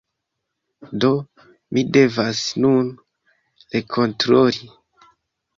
Do, mi devas nun rekontroli